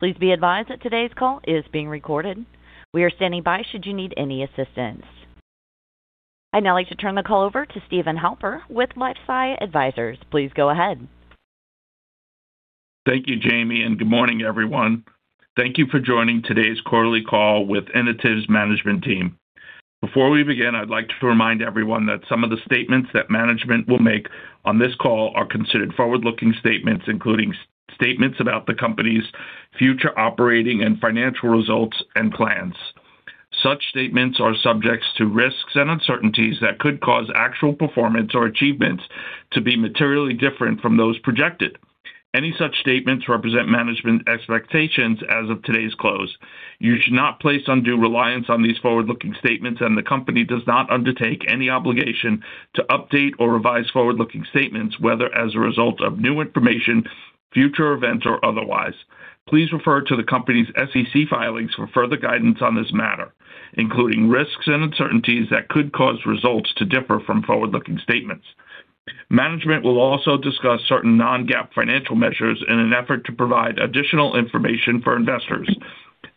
Please be advised that today's call is being recorded. We are standing by should you need any assistance. I'd now like to turn the call over to Steve Halper with LifeSci Advisors. Please go ahead. Thank you, Jamie, and good morning, everyone. Thank you for joining today's quarterly call with Inotiv's management team. Before we begin, I'd like to remind everyone that some of the statements that management will make on this call are considered forward-looking statements, including statements about the company's future operating and financial results and plans. Such statements are subjects to risks and uncertainties that could cause actual performance or achievements to be materially different from those projected. Any such statements represent management expectations as of today's close. You should not place undue reliance on these forward-looking statements, and the company does not undertake any obligation to update or revise forward-looking statements, whether as a result of new information, future events, or otherwise. Please refer to the company's SEC filings for further guidance on this matter, including risks and uncertainties that could cause results to differ from forward-looking statements. Management will also discuss certain non-GAAP financial measures in an effort to provide additional information for investors.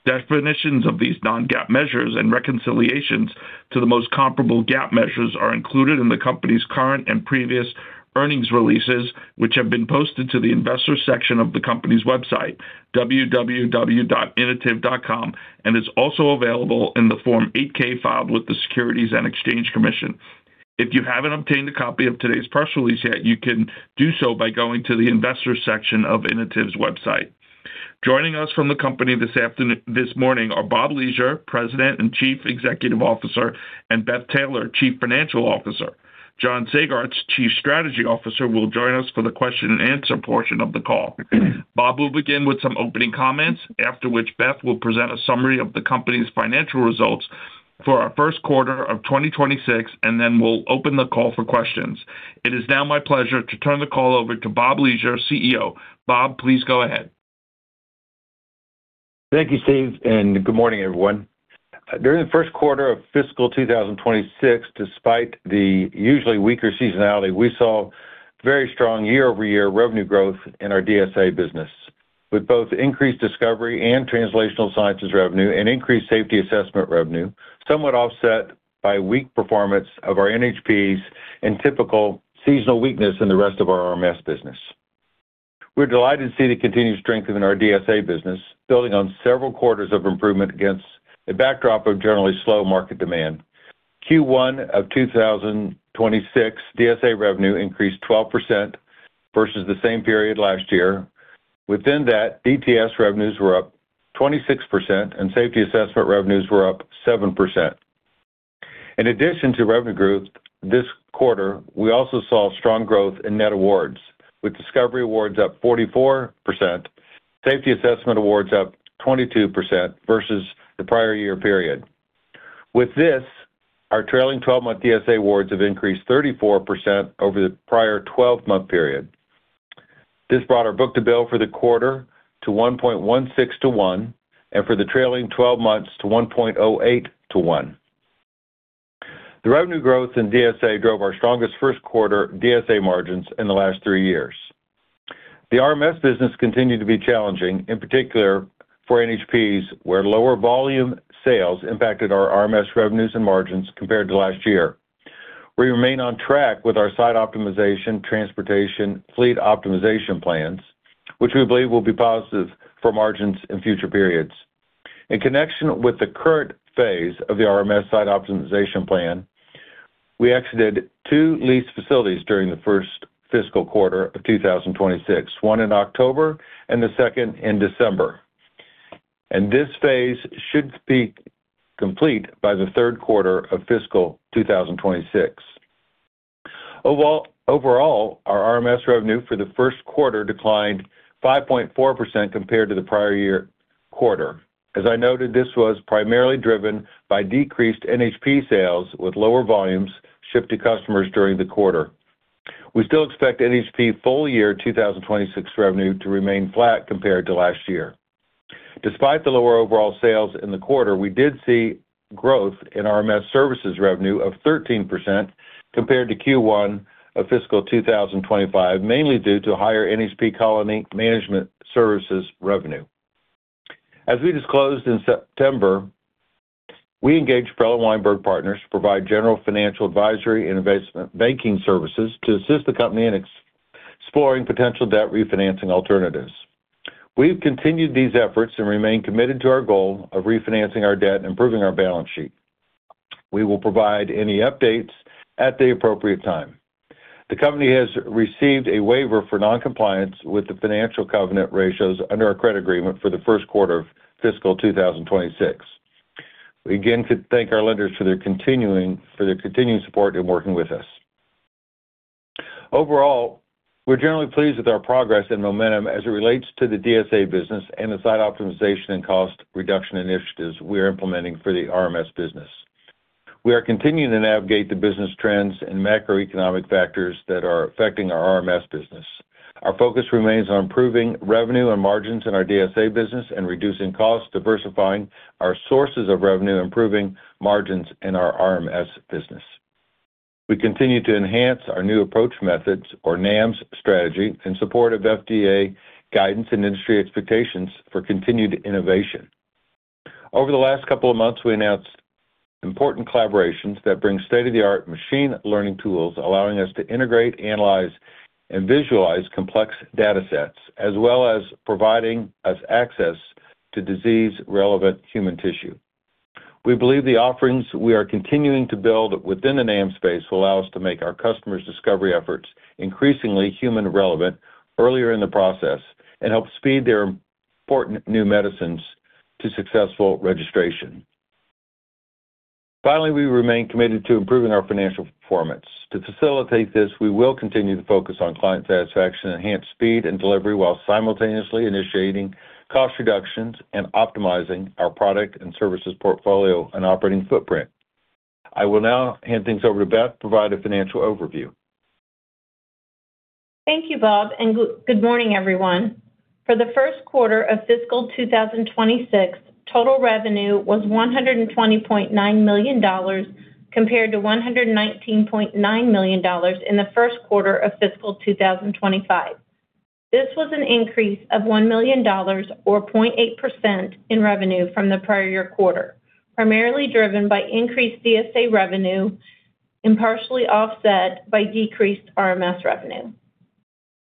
Definitions of these non-GAAP measures and reconciliations to the most comparable GAAP measures are included in the company's current and previous earnings releases, which have been posted to the Investors section of the company's website, www.inotiv.com, and is also available in the Form 8-K filed with the Securities and Exchange Commission. If you haven't obtained a copy of today's press release yet, you can do so by going to the Investors section of Inotiv's website. Joining us from the company this afternoon, this morning are Bob Leasure, President and Chief Executive Officer, and Beth Taylor, Chief Financial Officer. John Sagartz, Chief Strategy Officer, will join us for the question and answer portion of the call. Bob will begin with some opening comments, after which Beth will present a summary of the company's financial results for our first quarter of 2026, and then we'll open the call for questions. It is now my pleasure to turn the call over to Bob Leasure, CEO. Bob, please go ahead. Thank you, Steve, and good morning, everyone. During the first quarter of fiscal 2026, despite the usually weaker seasonality, we saw very strong year-over-year revenue growth in our DSA business, with both increased discovery and translational sciences revenue and increased safety assessment revenue, somewhat offset by weak performance of our NHPs and typical seasonal weakness in the rest of our RMS business. We're delighted to see the continued strength in our DSA business, building on several quarters of improvement against a backdrop of generally slow market demand. Q1 of 2026, DSA revenue increased 12% versus the same period last year. Within that, DTS revenues were up 26% and safety assessment revenues were up 7%. In addition to revenue growth, this quarter, we also saw strong growth in net awards, with discovery awards up 44%, safety assessment awards up 22% versus the prior year period. With this, our trailing 12-month DSA awards have increased 34% over the prior 12-month period. This brought our book-to-bill for the quarter to 1.16 to 1, and for the trailing 12 months to 1.08 to 1. The revenue growth in DSA drove our strongest first quarter DSA margins in the last three years. The RMS business continued to be challenging, in particular for NHPs, where lower volume sales impacted our RMS revenues and margins compared to last year. We remain on track with our site optimization, transportation, fleet optimization plans, which we believe will be positive for margins in future periods. In connection with the current phase of the RMS site optimization plan, we exited two lease facilities during the first fiscal quarter of 2026, one in October and the second in December. This phase should be complete by the third quarter of fiscal 2026. Overall, our RMS revenue for the first quarter declined 5.4% compared to the prior year quarter. As I noted, this was primarily driven by decreased NHP sales, with lower volumes shipped to customers during the quarter. We still expect NHP full year 2026 revenue to remain flat compared to last year. Despite the lower overall sales in the quarter, we did see growth in RMS services revenue of 13% compared to Q1 of fiscal 2025, mainly due to higher NHP colony management services revenue. As we disclosed in September, we engaged Perella Weinberg Partners to provide general financial advisory and investment banking services to assist the company in exploring potential debt refinancing alternatives. We've continued these efforts and remain committed to our goal of refinancing our debt and improving our balance sheet. We will provide any updates at the appropriate time. The company has received a waiver for non-compliance with the financial covenant ratios under our credit agreement for the first quarter of fiscal 2026. We again thank our lenders for their continuing support in working with us. Overall, we're generally pleased with our progress and momentum as it relates to the DSA business and the site optimization and cost reduction initiatives we are implementing for the RMS business. We are continuing to navigate the business trends and macroeconomic factors that are affecting our RMS business. Our focus remains on improving revenue and margins in our DSA business and reducing costs, diversifying our sources of revenue, improving margins in our RMS business. We continue to enhance our new approach methods, or NAMs strategy, in support of FDA guidance and industry expectations for continued innovation. Over the last couple of months, we announced important collaborations that bring state-of-the-art machine learning tools, allowing us to integrate, analyze, and visualize complex data sets, as well as providing us access to disease-relevant human tissue. We believe the offerings we are continuing to build within the NAM space will allow us to make our customers' discovery efforts increasingly human relevant earlier in the process and help speed their important new medicines to successful registration. Finally, we remain committed to improving our financial performance. To facilitate this, we will continue to focus on client satisfaction, enhanced speed, and delivery, while simultaneously initiating cost reductions and optimizing our product and services portfolio and operating footprint. I will now hand things over to Beth to provide a financial overview. Thank you, Bob, and good morning, everyone. For the first quarter of fiscal 2026, total revenue was $120.9 million, compared to $119.9 million in the first quarter of fiscal 2025. This was an increase of $1 million or 0.8% in revenue from the prior year quarter, primarily driven by increased DSA revenue and partially offset by decreased RMS revenue.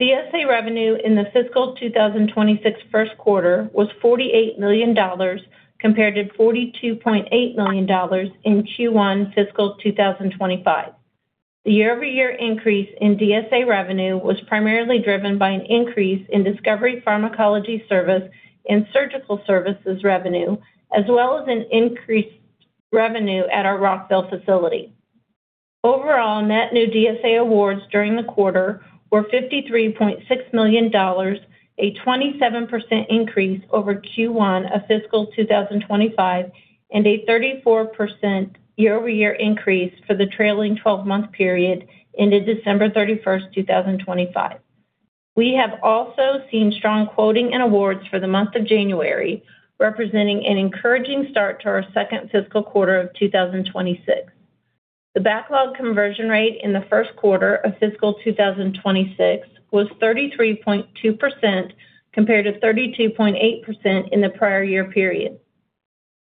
DSA revenue in the fiscal 2026 first quarter was $48 million, compared to $42.8 million in Q1 fiscal 2025. The year-over-year increase in DSA revenue was primarily driven by an increase in discovery pharmacology service and surgical services revenue, as well as an increased revenue at our Rockville facility. Overall, net new DSA awards during the quarter were $53.6 million, a 27% increase over Q1 of fiscal 2025, and a 34% year-over-year increase for the trailing twelve-month period ended December 31st, 2025. We have also seen strong quoting and awards for the month of January, representing an encouraging start to our second fiscal quarter of 2026. The backlog conversion rate in the first quarter of fiscal 2026 was 33.2%, compared to 32.8% in the prior year period.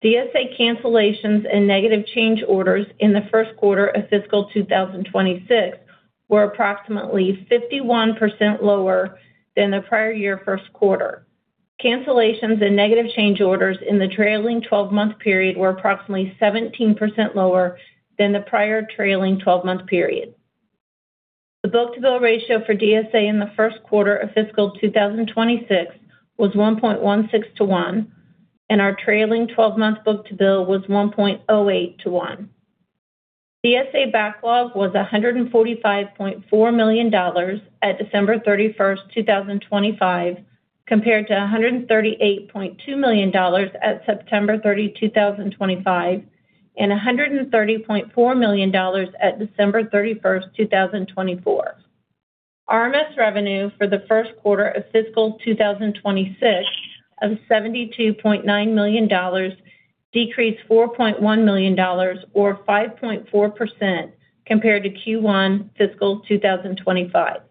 DSA cancellations and negative change orders in the first quarter of fiscal 2026 were approximately 51% lower than the prior year first quarter. Cancellations and negative change orders in the trailing 12-month period were approximately 17% lower than the prior trailing 12-month period. The book-to-bill ratio for DSA in the first quarter of fiscal 2026 was 1.16 to 1, and our trailing-twelve-month book-to-bill was 1.08 to 1. DSA backlog was $145.4 million at December 31, 2025, compared to $138.2 million at September 30, 2025, and $130.4 million at December 31, 2024. RMS revenue for the first quarter of fiscal 2026 of $72.9 million decreased $4.1 million or 5.4% compared to Q1 fiscal 2025.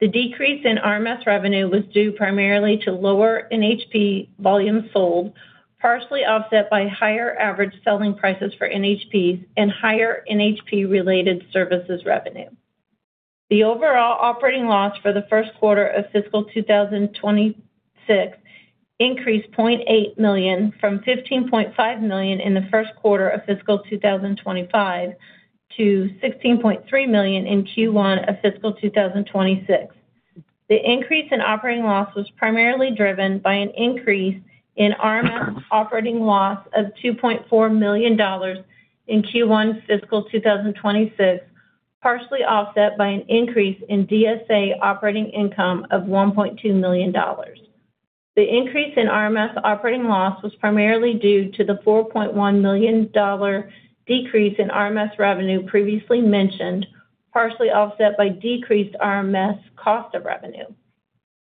The decrease in RMS revenue was due primarily to lower NHP volumes sold, partially offset by higher average selling prices for NHP and higher NHP-related services revenue. The overall operating loss for the first quarter of fiscal 2026 increased $0.8 million from $15.5 million in the first quarter of fiscal 2025 to $16.3 million in Q1 of fiscal 2026. The increase in operating loss was primarily driven by an increase in RMS operating loss of $2.4 million in Q1 fiscal 2026, partially offset by an increase in DSA operating income of $1.2 million. The increase in RMS operating loss was primarily due to the $4.1 million decrease in RMS revenue previously mentioned, partially offset by decreased RMS cost of revenue.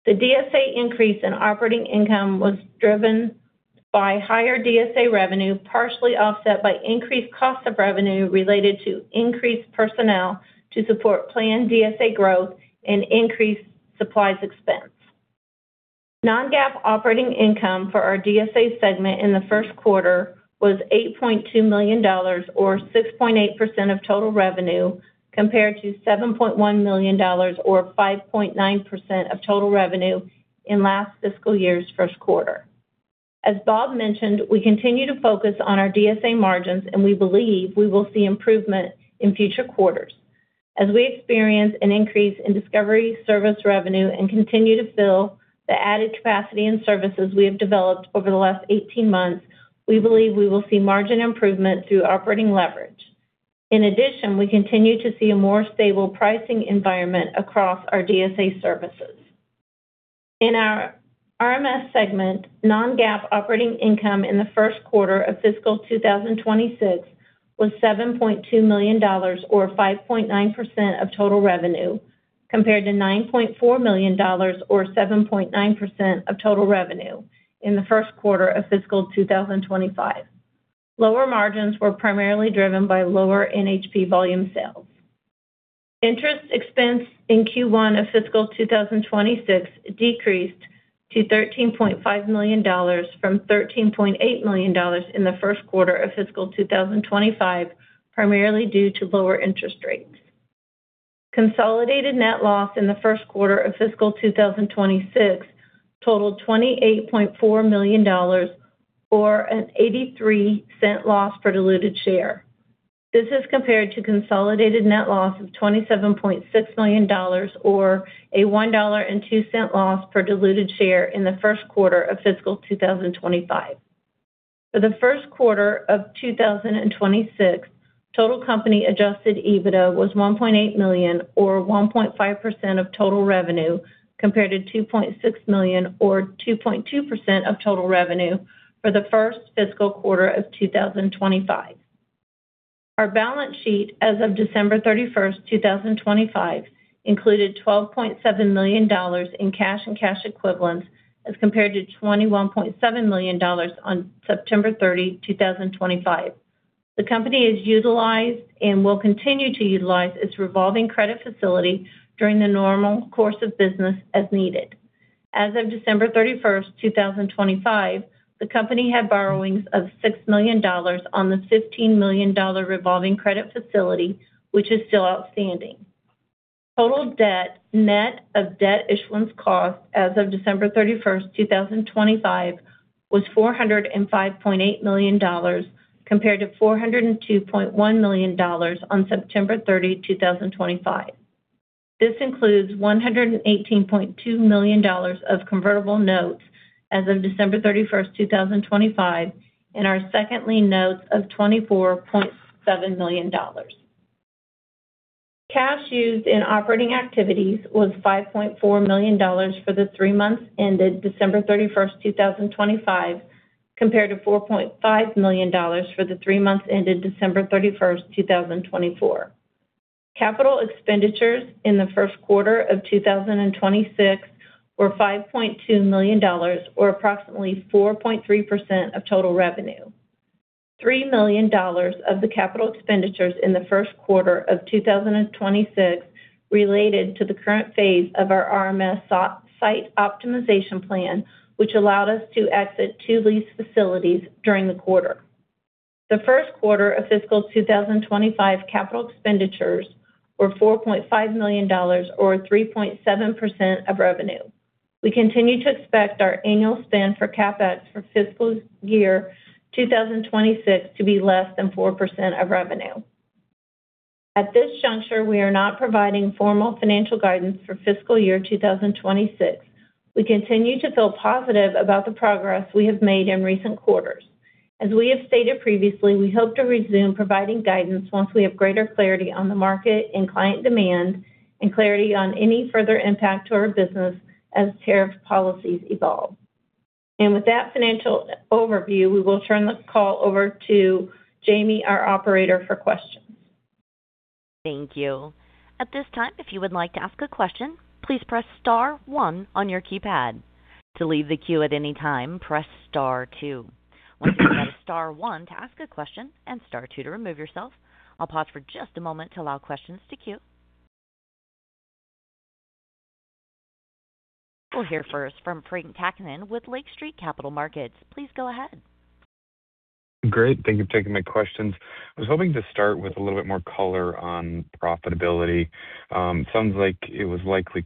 The DSA increase in operating income was driven by higher DSA revenue, partially offset by increased cost of revenue related to increased personnel to support planned DSA growth and increased supplies expense. Non-GAAP operating income for our DSA segment in the first quarter was $8.2 million or 6.8% of total revenue, compared to $7.1 million or 5.9% of total revenue in last fiscal year's first quarter. As Bob mentioned, we continue to focus on our DSA margins, and we believe we will see improvement in future quarters. As we experience an increase in discovery service revenue and continue to fill the added capacity and services we have developed over the last 18 months, we believe we will see margin improvement through operating leverage. In addition, we continue to see a more stable pricing environment across our DSA services. In our RMS segment, non-GAAP operating income in the first quarter of fiscal 2026 was $7.2 million or 5.9% of total revenue, compared to $9.4 million or 7.9% of total revenue in the first quarter of fiscal 2025. Lower margins were primarily driven by lower NHP volume sales. Interest expense in Q1 of fiscal 2026 decreased to $13.5 million from $13.8 million in the first quarter of fiscal 2025, primarily due to lower interest rates. Consolidated net loss in the first quarter of fiscal 2026 totaled $28.4 million or an $0.83 loss per diluted share. This is compared to consolidated net loss of $27.6 million or a $1.02 loss per diluted share in the first quarter of fiscal 2025. For the first quarter of 2026, total company adjusted EBITDA was $1.8 million or 1.5% of total revenue, compared to $2.6 million or 2.2% of total revenue for the first fiscal quarter of 2025. Our balance sheet as of December 31st, 2025, included $12.7 million in cash and cash equivalents as compared to $21.7 million on September 30, 2025. The company has utilized and will continue to utilize its revolving credit facility during the normal course of business as needed. As of December 31st, 2025, the company had borrowings of $6 million on the $15 million revolving credit facility, which is still outstanding. Total debt, net of debt issuance costs as of December 31st, 2025, was $405.8 million, compared to $402.1 million on September 30, 2025. This includes $118.2 million of convertible notes as of December 31st, 2025, and our second lien notes of $24.7 million. Cash used in operating activities was $5.4 million for the three months ended December 31, 2025, compared to $4.5 million for the three months ended December 31st, 2024. Capital expenditures in the first quarter of 2026 were $5.2 million or approximately 4.3% of total revenue. $3 million of the capital expenditures in the first quarter of 2026 related to the current phase of our RMS site optimization plan, which allowed us to exit two lease facilities during the quarter. The first quarter of fiscal 2025 capital expenditures were $4.5 million or 3.7% of revenue. We continue to expect our annual spend for CapEx for fiscal year 2026 to be less than 4% of revenue. At this juncture, we are not providing formal financial guidance for fiscal year 2026. We continue to feel positive about the progress we have made in recent quarters. As we have stated previously, we hope to resume providing guidance once we have greater clarity on the market and client demand, and clarity on any further impact to our business as tariff policies evolve. With that financial overview, we will turn the call over to Jamie, our operator, for questions. Thank you. At this time, if you would like to ask a question, please press star one on your keypad. To leave the queue at any time, press star two. Once again, star one to ask a question and star two to remove yourself. I'll pause for just a moment to allow questions to queue. We'll hear first from Frank Takkinen with Lake Street Capital Markets. Please go ahead. Great. Thank you for taking my questions. I was hoping to start with a little bit more color on profitability. Sounds like it was likely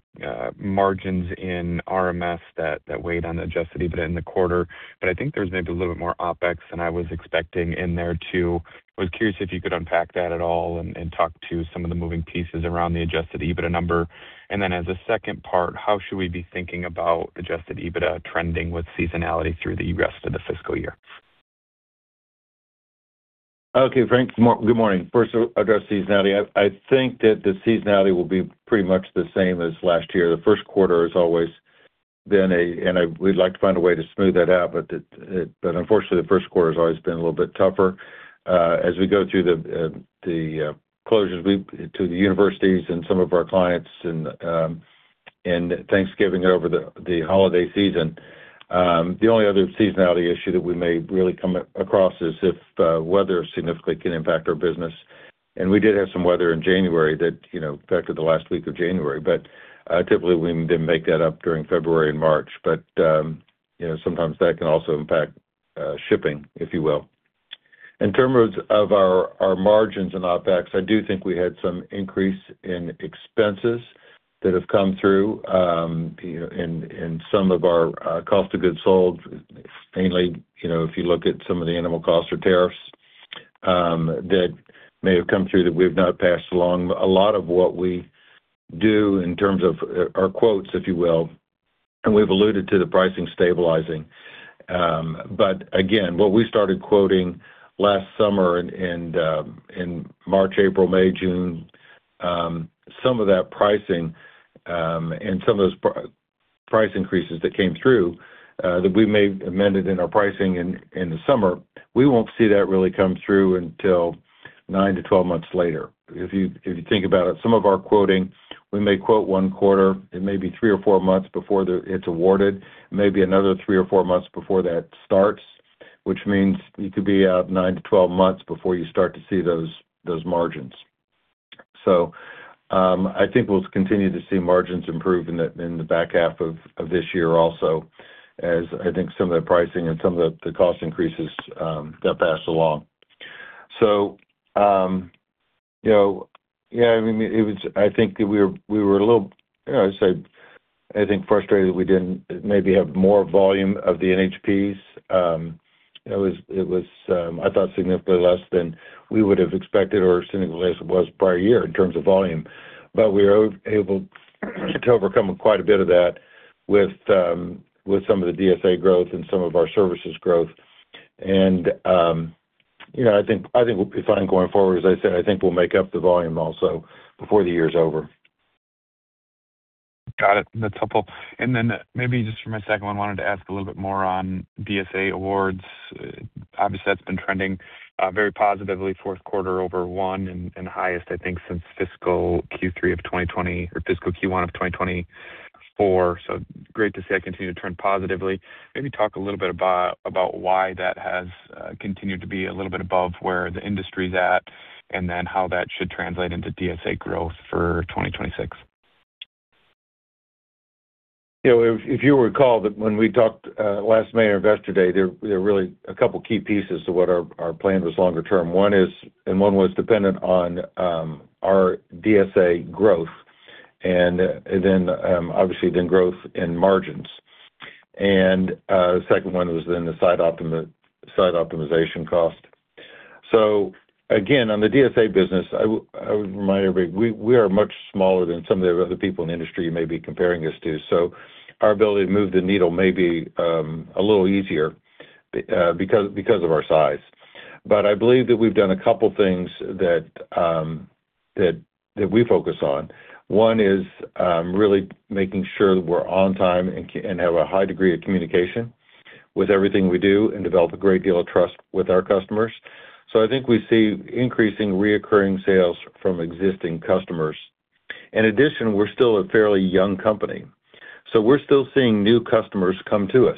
margins in RMS that weighed on adjusted EBITDA in the quarter, but I think there's maybe a little bit more OpEx than I was expecting in there, too. I was curious if you could unpack that at all and talk to some of the moving pieces around the adjusted EBITDA number. And then as a second part, how should we be thinking about adjusted EBITDA trending with seasonality through the rest of the fiscal year? Okay, Frank, good morning. First, to address seasonality. I think that the seasonality will be pretty much the same as last year. The first quarter has always been a we'd like to find a way to smooth that out, but unfortunately, the first quarter has always been a little bit tougher. As we go through the closures to the universities and some of our clients and Thanksgiving over the holiday season. The only other seasonality issue that we may really come across is if weather significantly can impact our business. And we did have some weather in January that, you know, affected the last week of January, but typically, we did make that up during February and March. But, you know, sometimes that can also impact shipping, if you will. In terms of our margins and OpEx, I do think we had some increase in expenses that have come through, you know, in some of our cost of goods sold. Mainly, you know, if you look at some of the animal costs or tariffs that may have come through that we've not passed along. A lot of what we do in terms of our quotes, if you will, and we've alluded to the pricing stabilizing. But again, what we started quoting last summer in March, April, May, June, some of that pricing and some of those price increases that came through, that we made amended in our pricing in the summer, we won't see that really come through until nine to 12 months later. If you think about it, some of our quoting, we may quote one quarter, it may be three or four months before it's awarded, maybe another three or four months before that starts, which means you could be out nine to 12 months before you start to see those, those margins. So, I think we'll continue to see margins improve in the back half of this year also, as I think some of the pricing and some of the cost increases get passed along. So, you know, yeah, I mean, it was. I think that we were a little, you know, I think frustrated that we didn't maybe have more volume of the NHPs. It was, I thought, significantly less than we would have expected, or significantly less it was prior year in terms of volume. But we were able to overcome quite a bit of that with some of the DSA growth and some of our services growth. And, you know, I think we'll be fine going forward. As I said, I think we'll make up the volume also before the year is over. Got it. That's helpful. And then maybe just for my second one, I wanted to ask a little bit more on DSA awards. Obviously, that's been trending very positively, fourth quarter over one and, and highest, I think, since fiscal Q3 of 2020 or fiscal Q1 of 2024. So great to see that continue to trend positively. Maybe talk a little bit about, about why that has continued to be a little bit above where the industry is at, and then how that should translate into DSA growth for 2026. You know, if you recall that when we talked last May, Investor Day, there are really a couple of key pieces to what our plan was longer term. One is, and one was dependent on our DSA growth, and then obviously then growth in margins. And the second one was then the site optimization cost. So again, on the DSA business, I would remind everybody, we are much smaller than some of the other people in the industry you may be comparing us to. So our ability to move the needle may be a little easier because of our size. But I believe that we've done a couple things that we focus on. One is really making sure that we're on time and have a high degree of communication with everything we do, and develop a great deal of trust with our customers. So I think we see increasing recurring sales from existing customers. In addition, we're still a fairly young company, so we're still seeing new customers come to us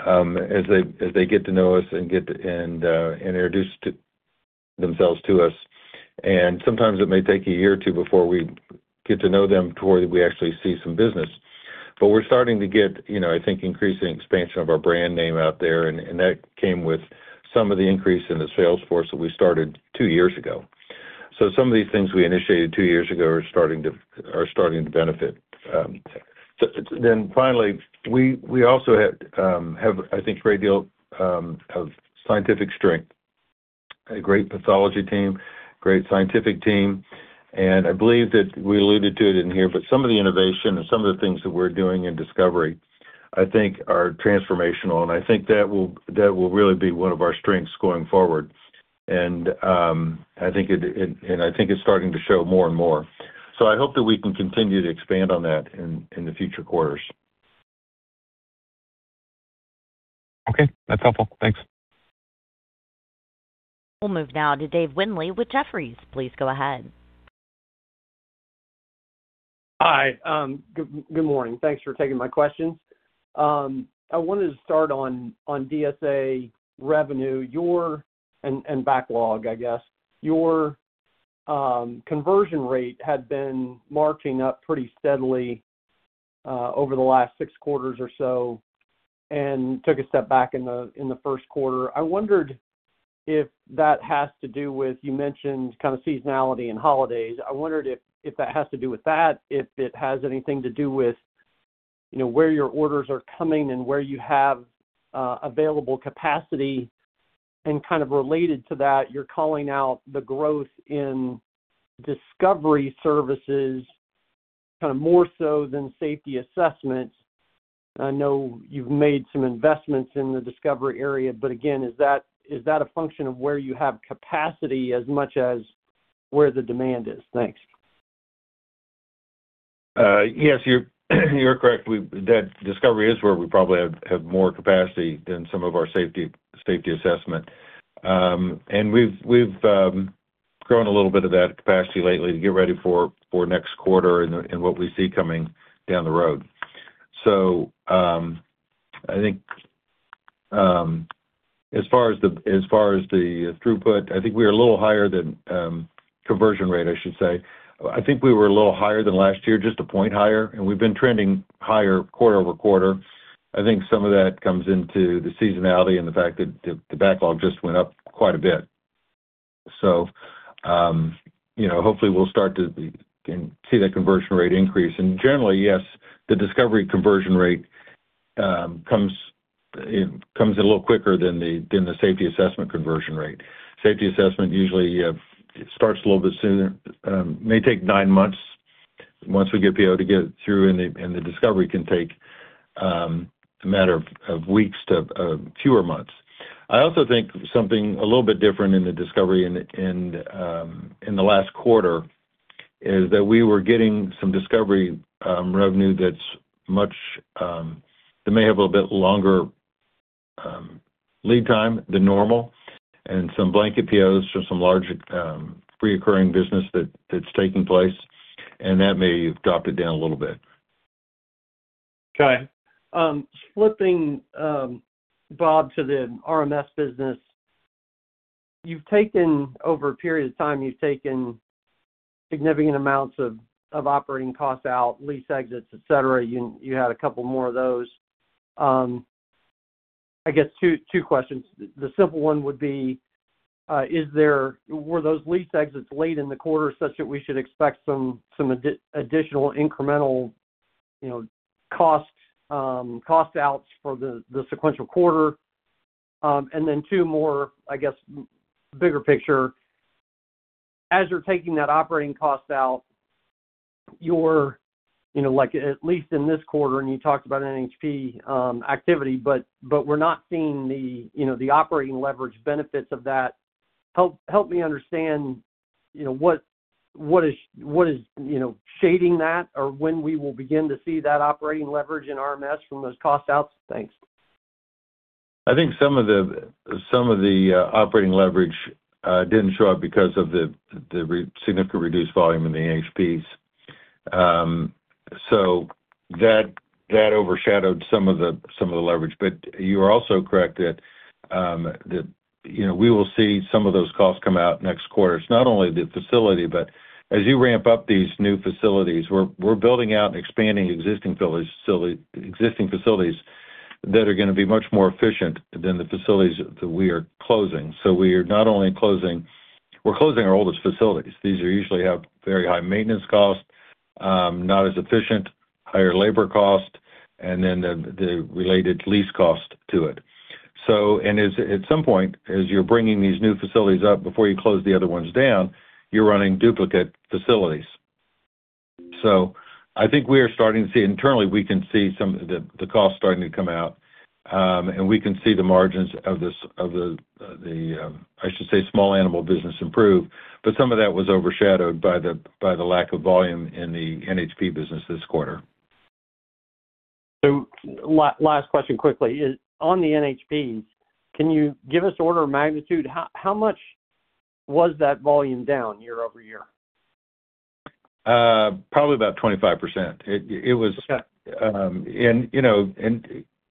as they get to know us and introduce themselves to us. And sometimes it may take a year or two before we get to know them to where we actually see some business. But we're starting to get, you know, I think, increasing expansion of our brand name out there, and that came with some of the increase in the sales force that we started two years ago. So some of these things we initiated two years ago are starting to benefit. So then finally, we also have, I think, a great deal of scientific strength, a great pathology team, great scientific team, and I believe that we alluded to it in here, but some of the innovation and some of the things that we're doing in discovery, I think are transformational, and I think that will really be one of our strengths going forward. And I think it, and I think it's starting to show more and more. So I hope that we can continue to expand on that in the future quarters. Okay, that's helpful. Thanks. We'll move now to Dave Windley with Jefferies. Please go ahead. Hi, good morning. Thanks for taking my questions. I wanted to start on DSA revenue, your and backlog, I guess. Your conversion rate had been marching up pretty steadily over the last six quarters or so, and took a step back in the first quarter. I wondered if that has to do with, you mentioned, kind of seasonality and holidays. I wondered if that has to do with that, if it has anything to do with, you know, where your orders are coming and where you have available capacity. And kind of related to that, you're calling out the growth in discovery services, kind of more so than safety assessments. I know you've made some investments in the discovery area, but again, is that, is that a function of where you have capacity as much as where the demand is? Thanks. Yes, you're correct. That discovery is where we probably have more capacity than some of our safety assessment. And we've grown a little bit of that capacity lately to get ready for next quarter and what we see coming down the road. So, I think, as far as the throughput, I think we are a little higher than conversion rate, I should say. I think we were a little higher than last year, just a point higher, and we've been trending higher quarter-over-quarter. I think some of that comes into the seasonality and the fact that the backlog just went up quite a bit. So, you know, hopefully we'll start to see that conversion rate increase. Generally, yes, the discovery conversion rate comes a little quicker than the safety assessment conversion rate. Safety assessment usually starts a little bit sooner, may take nine months once we get PO to get it through, and the discovery can take a matter of weeks to fewer months. I also think something a little bit different in the discovery in the last quarter is that we were getting some discovery revenue that's much that may have a little bit longer lead time than normal, and some blanket POs for some large recurring business that's taking place, and that may have dropped it down a little bit. Okay. Flipping, Bob, to the RMS business. You've taken, over a period of time, you've taken significant amounts of operating costs out, lease exits, et cetera. You had a couple more of those. I guess two questions. The simple one would be, is there - were those lease exits late in the quarter such that we should expect some additional incremental, you know, cost outs for the sequential quarter? And then two more, I guess, bigger picture. As you're taking that operating cost out, you're, you know, like, at least in this quarter, and you talked about NHP activity, but we're not seeing the, you know, the operating leverage benefits of that. Help, help me understand, you know, what, what is, what is, you know, shading that or when we will begin to see that operating leverage in RMS from those cost outs? Thanks. I think some of the operating leverage didn't show up because of the significant reduced volume in the NHPs. So that overshadowed some of the leverage. But you are also correct that, you know, we will see some of those costs come out next quarter. It's not only the facility, but as you ramp up these new facilities, we're building out and expanding existing village, facility, existing facilities that are gonna be much more efficient than the facilities that we are closing. So we are not only closing. We're closing our oldest facilities. These are usually have very high maintenance costs, not as efficient, higher labor cost, and then the related lease cost to it. So, as at some point, as you're bringing these new facilities up before you close the other ones down, you're running duplicate facilities. So I think we are starting to see, internally, we can see some of the costs starting to come out, and we can see the margins of this small animal business improve, but some of that was overshadowed by the lack of volume in the NHP business this quarter. So, last question, quickly. On the NHPs, can you give us order of magnitude? How much was that volume down year-over-year? Probably about 25%.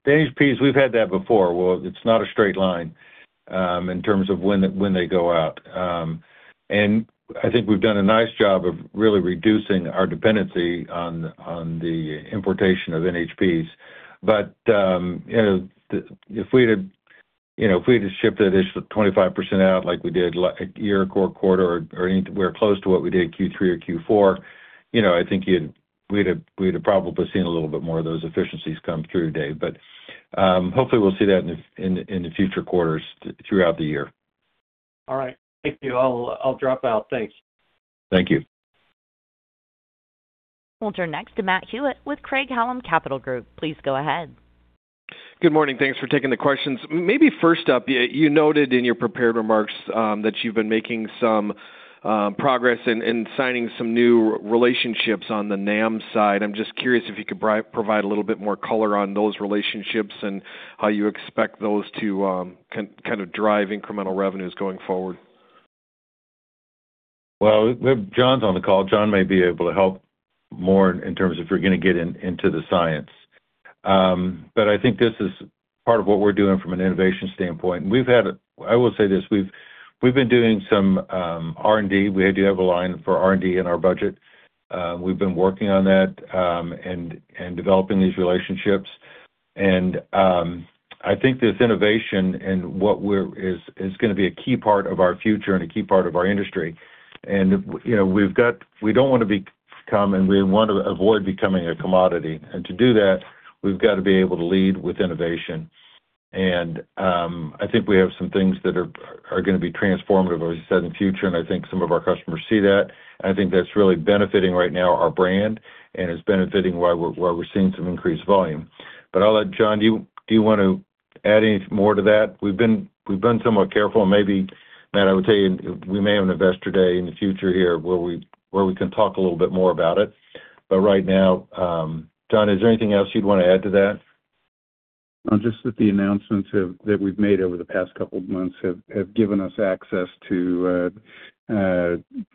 It was- Okay. You know, and NHPs, we've had that before, where it's not a straight line in terms of when they go out. And I think we've done a nice job of really reducing our dependency on the importation of NHPs. But you know, if we had shipped that additional 25% out, like we did a year or quarter, or we're close to what we did Q3 or Q4, you know, I think we'd have probably seen a little bit more of those efficiencies come through, Dave. But hopefully we'll see that in the future quarters throughout the year. All right. Thank you. I'll drop out. Thanks. Thank you. We'll turn next to Matt Hewitt with Craig-Hallum Capital Group. Please go ahead. Good morning. Thanks for taking the questions. Maybe first up, you noted in your prepared remarks that you've been making some progress in signing some new relationships on the NAM side. I'm just curious if you could provide a little bit more color on those relationships and how you expect those to kind of drive incremental revenues going forward? Well, if John's on the call, John may be able to help more in terms of if you're gonna get into the science. But I think this is part of what we're doing from an innovation standpoint, and we've had, I will say this: we've been doing some R&D. We do have a line for R&D in our budget. We've been working on that and developing these relationships. And I think this innovation and what we're is gonna be a key part of our future and a key part of our industry. And, you know, we've got we don't want to become, and we want to avoid becoming a commodity. And to do that, we've got to be able to lead with innovation. I think we have some things that are gonna be transformative, as I said, in the future, and I think some of our customers see that. I think that's really benefiting right now our brand and is benefiting why we're seeing some increased volume. But I'll let John. Do you want to add any more to that? We've been somewhat careful. Maybe, Matt, I would tell you, we may have an investor day in the future here where we can talk a little bit more about it. But right now, John, is there anything else you'd want to add to that? Just that the announcements that we've made over the past couple of months have given us access to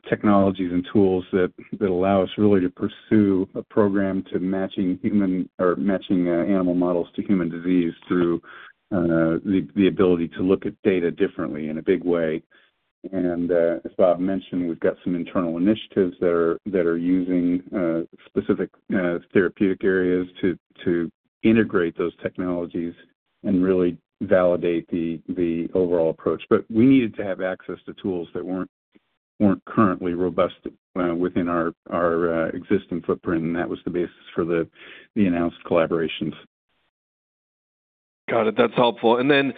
technologies and tools that allow us really to pursue a program to matching human or matching animal models to human disease through the ability to look at data differently in a big way. As Bob mentioned, we've got some internal initiatives that are using specific therapeutic areas to integrate those technologies and really validate the overall approach. But we needed to have access to tools that weren't currently robust within our existing footprint, and that was the basis for the announced collaborations. Got it. That's helpful. And then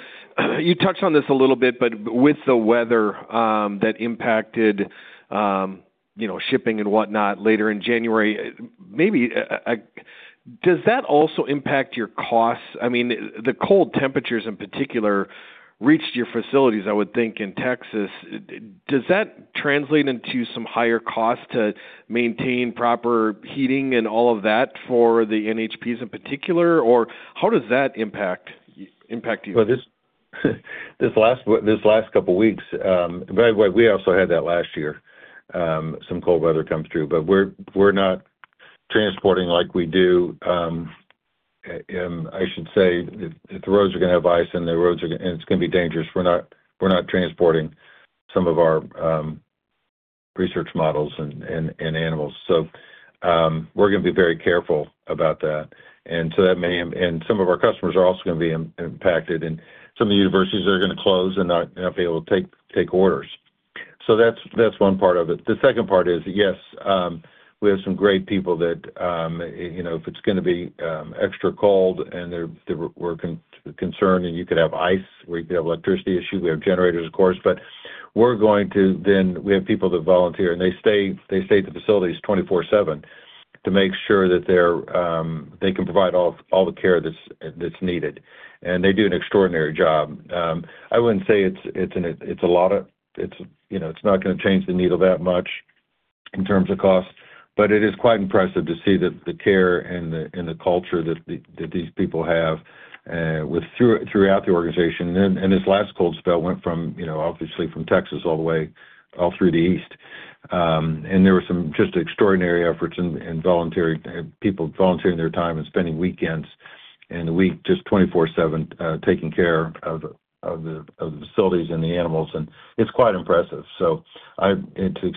you touched on this a little bit, but with the weather, that impacted, you know, shipping and whatnot later in January, maybe, does that also impact your costs? I mean, the cold temperatures, in particular, reached your facilities, I would think, in Texas. Does that translate into some higher costs to maintain proper heating and all of that for the NHPs in particular? Or how does that impact you? Well, this last couple weeks, by the way, we also had that last year, some cold weather comes through. But we're not transporting like we do, I should say, if the roads are gonna have ice and the roads are gonna be dangerous, we're not transporting some of our research models and animals. So, we're gonna be very careful about that. And so that may. And some of our customers are also gonna be impacted, and some of the universities are gonna close and not be able to take orders. So that's one part of it. The second part is, yes, we have some great people that, you know, if it's gonna be extra cold, and they were concerned, and you could have ice, we could have electricity issue. We have generators, of course, but we're going to then we have people that volunteer, and they stay at the facilities 24/7 to make sure that they can provide all the care that's needed, and they do an extraordinary job. I wouldn't say it's a lot of... It's, you know, it's not gonna change the needle that much in terms of cost, but it is quite impressive to see the care and the culture that these people have throughout the organization. And this last cold spell went from, you know, obviously from Texas all the way, all through the East. And there were some just extraordinary efforts and voluntary people volunteering their time and spending weekends, and the week, just 24/7, taking care of the facilities and the animals, and it's quite impressive. So, to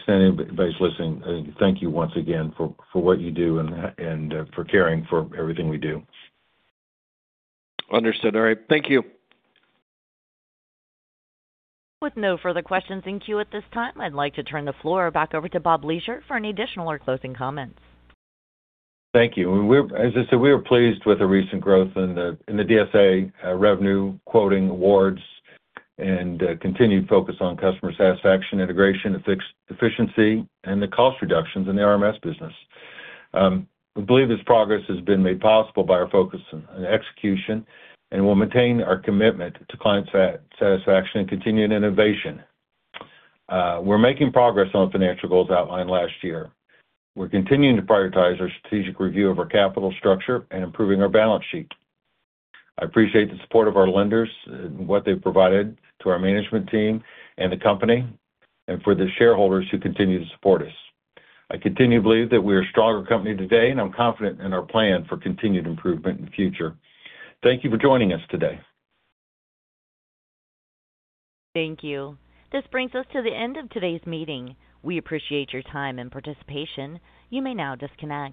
anyone listening, thank you once again for what you do and for caring for everything we do. Understood. All right, thank you. With no further questions in queue at this time, I'd like to turn the floor back over to Bob Leasure for any additional or closing comments. Thank you. We're, as I said, we are pleased with the recent growth in the DSA revenue quoting awards and continued focus on customer satisfaction, integration, and efficiency, and the cost reductions in the RMS business. We believe this progress has been made possible by our focus on execution, and we'll maintain our commitment to client satisfaction and continuing innovation. We're making progress on the financial goals outlined last year. We're continuing to prioritize our strategic review of our capital structure and improving our balance sheet. I appreciate the support of our lenders and what they've provided to our management team and the company, and for the shareholders who continue to support us. I continue to believe that we are a stronger company today, and I'm confident in our plan for continued improvement in the future. Thank you for joining us today. Thank you. This brings us to the end of today's meeting. We appreciate your time and participation. You may now disconnect.